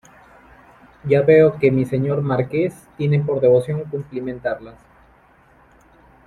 ya veo que mi Señor Marqués tiene por devoción cumplimentarlas.